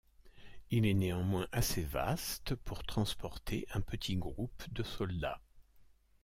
Il est néanmoins assez vaste pour transporter un petit groupe de soldats.